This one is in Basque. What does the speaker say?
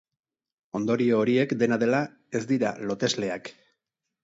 Ondorio horiek, dena dela, ez dira lotesleak.